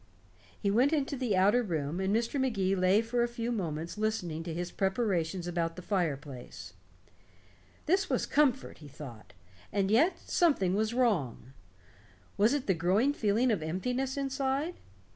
He went into the outer room, and Mr. Magee lay for a few moments listening to his preparations about the fireplace. This was comfort, he thought. And yet, something was wrong. Was it the growing feeling of emptiness inside?